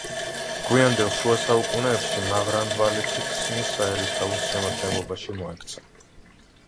გვიანდელი შუა საუკუნეებში მაღრანდვალეთი ქსნის საერისთავოს შემადგენლობაში მოექცა.